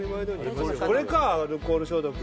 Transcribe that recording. これかアルコール消毒。